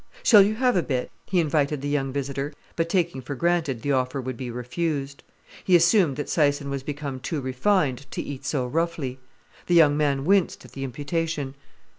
"Shall you have a bit?" he invited the young visitor, but taking for granted the offer would be refused. He assumed that Syson was become too refined to eat so roughly. The young man winced at the imputation.